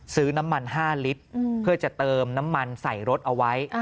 ซื้อน้ำมัน๕ลิตรเพื่อจะเติมน้ำมันใส่รถเอาไว้